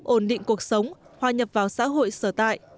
ổn định cuộc sống hòa nhập vào xã hội sở tại